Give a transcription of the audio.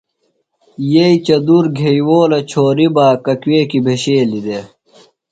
یئ چدُرور گھیوؤلہ چھوریۡ بہ ککویکیۡ بھیشیلیۡ دےۡ۔